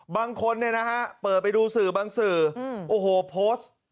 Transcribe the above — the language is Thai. บางคนเนี่ยนะฮะเปิดไปดูสื่อบางสื่อโอ้โหโพสต์